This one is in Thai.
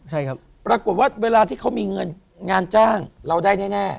ใช่ครับปรากฏว่าเวลาที่เขามีเงินงานจ้างเราได้แน่